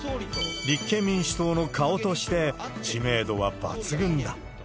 立憲民主党の顔として、知名度は抜群だ。